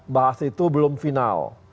bahas itu belum final